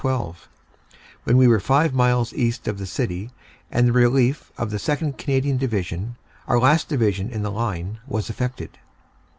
12, when we were five miles east of the city and the relief of the 2nd. Canadian Division our last Division in the line was effected.